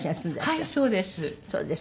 はいそうです。